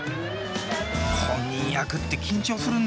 本人役って緊張するんですよ。